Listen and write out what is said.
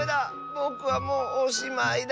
ぼくはもうおしまいだ。